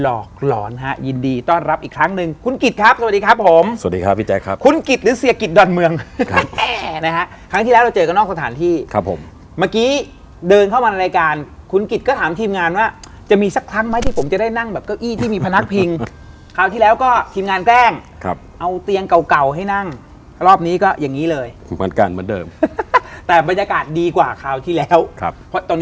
เรื่องหลงหลอกหลอนฮะยินดีต้อนรับอีกครั้งหนึ่งคุณกิจครับสวัสดีครับผมสวัสดีครับพี่แจ๊คครับคุณกิจหรือเสียกิจด่อนเมืองนะฮะครั้งที่แล้วเราเจอกันนอกสถานที่ครับผมเมื่อกี้เดินเข้ามารายการคุณกิจก็ถามทีมงานว่าจะมีสักครั้งไหมที่ผมจะได้นั่งแบบเก้าอี้ที่มีพนักพิงคราวที่แล้วก็ทีมงานแกล้งครับ